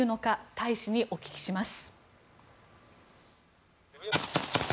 大使にお聞きします。